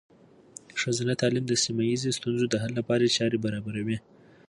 د ښځینه تعلیم د سیمه ایزې ستونزو د حل لپاره لارې چارې برابروي.